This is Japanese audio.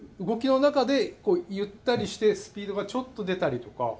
動きの中でこうゆったりしてスピードがちょっと出たりとか。